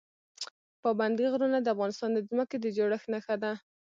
پابندی غرونه د افغانستان د ځمکې د جوړښت نښه ده.